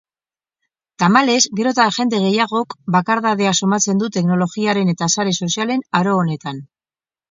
Tamalez, gero eta jende gehiagok bakardadea somatzen du teknologiaren eta sare sozialen aro honetan.